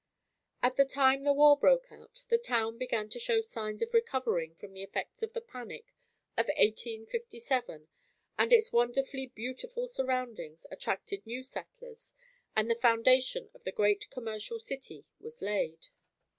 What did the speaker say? At the time the war broke out, the town began to show signs of recovering from the effects of the panic of 1857 and its wonderfully beautiful surroundings attracted new settlers and the foundation of the great commercial city was laid.